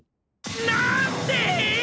なんで！？